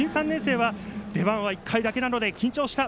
新３年生は出番は１回だけなので緊張した。